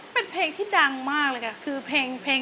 เป็นเพลงที่ดังมากเลยค่ะคือเพลง